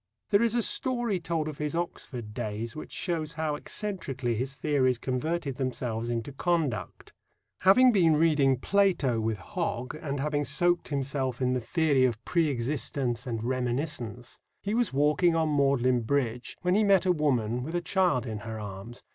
There is a story told of his Oxford days which shows how eccentrically his theories converted themselves into conduct. Having been reading Plato with Hogg, and having soaked himself in the theory of pre existence and reminiscence, he was walking on Magdalen Bridge when he met a woman with a child in her arms.